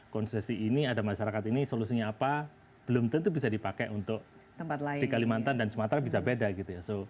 konsesi ini ada masyarakat ini solusinya apa belum tentu bisa dipakai untuk di kalimantan dan sumatera bisa beda gitu ya